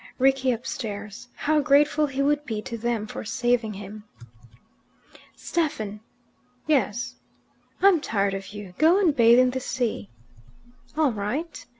Rickie upstairs, how grateful he would be to them for saving him. "Stephen!" "Yes." "I'm tired of you. Go and bathe in the sea." "All right."